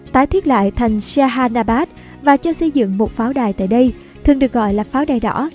tái thiết lại thành shahanabad và cho xây dựng một pháo đài tại đây thường được gọi là pháo đài đỏ